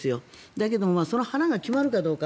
だけどその腹が決まるかどうか。